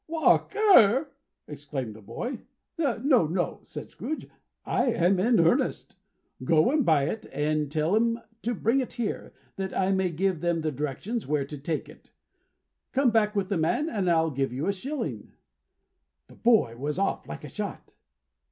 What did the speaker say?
"Walk ER!" exclaimed the boy. "No, no," said Scrooge, "I am in earnest. Go and buy it, and tell 'em to bring it here, that I may give them the directions where to take it. Come back with the man, and I'll give you a shilling." The boy was off like a shot.